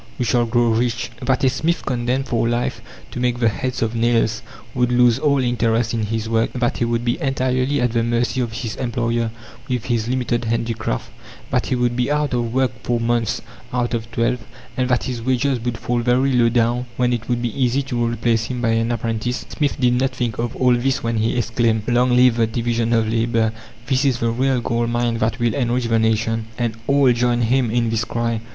We shall grow rich." That a smith condemned for life to make the heads of nails would lose all interest in his work, that he would be entirely at the mercy of his employer with his limited handicraft, that he would be out of work four months out of twelve, and that his wages would fall very low down, when it would be easy to replace him by an apprentice, Smith did not think of all this when he exclaimed "Long live the division of labour. This is the real gold mine that will enrich the nation!" And all joined him in this cry.